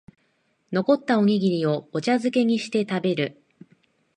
残ったおにぎりをお茶づけにして食べる